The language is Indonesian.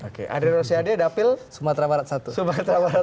oke adrian rosiade dapil sumatera barat i